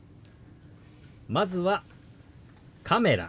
まずは「カメラ」。